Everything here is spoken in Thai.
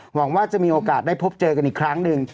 หวังว่าจะมีโอกาสได้พบเจอกันอีกครั้งหนึ่ง